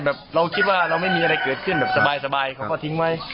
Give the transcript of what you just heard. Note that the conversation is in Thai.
เราคิดว่าเราไม่มีอะไรเกิดขึ้นแบบสบายเขาก็ทิ้งไว้